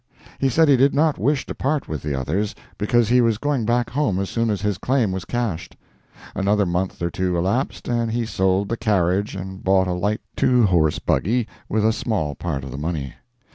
He said he did not wish to part with the others, because he was going back home as soon as his claim was cashed. Another month or two elapsed, and he sold the carriage and bought a light two horse buggy with a small part of the money.